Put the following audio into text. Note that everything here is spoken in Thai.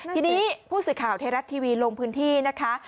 ทีนี้ผู้สื่อข่าวไทยรัฐทีวีลงพื้นที่นะคะ